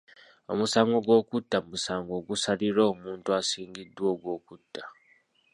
Omusango gw'okutta musango ogusalirwa omuntu asingisiddwa ogw'okutta.